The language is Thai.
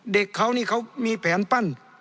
เด็กเขานี่เขามีแผนปั้น